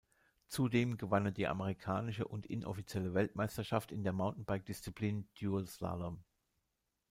Zudem gewann er die amerikanische und inoffizielle Weltmeisterschaft in der Mountainbike-Disziplin Dual Slalom.